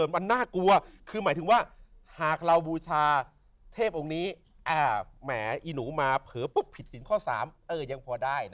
มันน่ากลัวคือหมายถึงว่าหากเราบูชาเทพองค์นี้แหม่อีหนูมาผิดศิลป์ข้อ๓